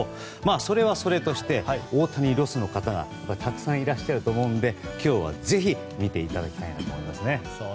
それはそれとして大谷ロスの方がたくさんいらっしゃると思うので今日はぜひ見ていただきたいなと思います。